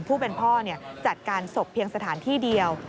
ผู้เป็นพ่อจัดการศพเพียงสถานที่เดียว